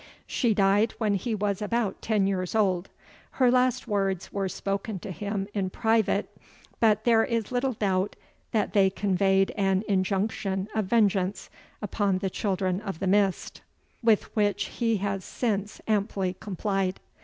She died when he was about ten years old. Her last words were spoken to him in private; but there is little doubt that they conveyed an injunction of vengeance upon the Children of the Mist, with which he has since amply complied.